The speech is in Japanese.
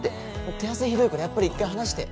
手汗ひどいからやっぱり一回離して。